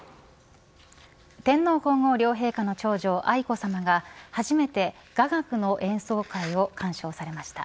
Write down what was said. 天皇皇后両陛下の長女愛子さまが初めて雅楽の演奏会を鑑賞されました。